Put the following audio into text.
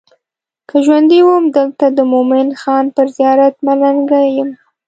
که ژوندی وم دلته د مومن خان پر زیارت ملنګه یم.